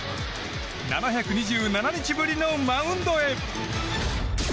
７２７日ぶりのマウンドへ。